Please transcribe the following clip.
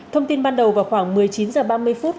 thông tin ban đầu vào khoảng một mươi chín h ba mươi phút